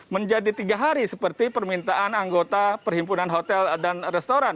menjadi tiga hari seperti permintaan anggota perhimpunan hotel dan restoran